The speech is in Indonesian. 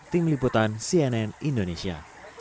tim liputan cnn indonesia